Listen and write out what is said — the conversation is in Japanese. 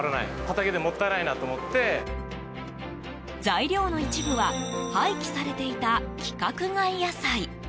材料の一部は廃棄されていた規格外野菜。